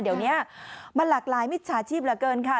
เดี๋ยวนี้มันหลากหลายมิจฉาชีพเหลือเกินค่ะ